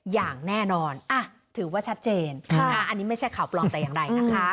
อย่างแน่นอนถือว่าชัดเจนอันนี้ไม่ใช่ข่าวปลอมแต่อย่างไรนะคะ